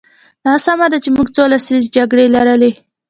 دا سمه ده چې موږ څو لسیزې جګړې لرلې.